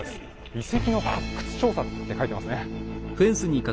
「遺跡の発掘調査」って書いてますね。